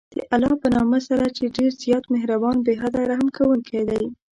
د الله په نامه سره چې ډېر زیات مهربان، بې حده رحم كوونكى دى.